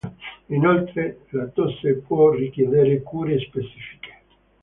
Inoltre, la tosse può richiedere cure specifiche.